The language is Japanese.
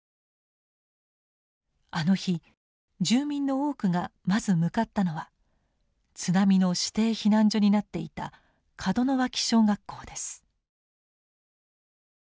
あの日住民の多くがまず向かったのは津波の指定避難所になっていた門脇小学校です。